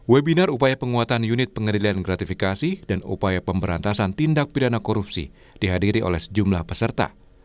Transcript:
webinar upaya penguatan unit pengadilan gratifikasi dan upaya pemberantasan tindak pidana korupsi dihadiri oleh sejumlah peserta